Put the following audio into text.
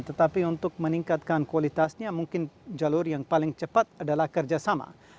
tetapi untuk meningkatkan kualitasnya mungkin jalur yang paling cepat adalah kerjasama